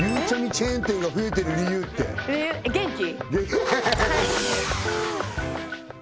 チェーン店が増えてる理由ってえ元気？